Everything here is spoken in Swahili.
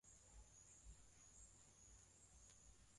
mtaalamu wa pekee ndiye wa kwanza kutumia njia ya kisayansi katika